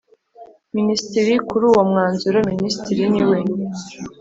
Minisitiri Kuri Uwo Mwanzuro Minisitiri Niwe